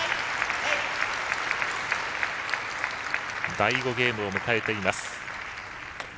第５ゲームを迎えています。